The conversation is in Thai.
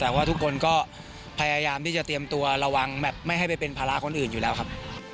แต่ว่าทุกคนก็พยายามที่จะเตรียมตัวระวังแบบไม่ให้ไปเป็นภาระคนอื่นอยู่แล้วครับ